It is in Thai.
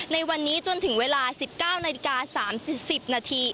ในวันนี้จนถึงเวลา๑๙นาฬิกา๓๐นาที